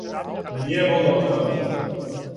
Није могао знати.